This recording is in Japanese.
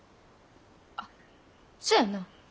あっそやな。